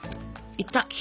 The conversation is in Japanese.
いった！